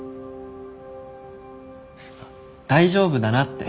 大丈夫だなって。